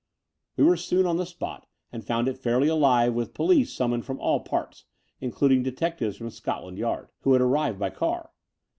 We were soon on the spot and found it fairly alive with police summoned from all parts, includ ing detectives from Scotland Yard, who had arrived by car.